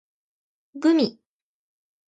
gumi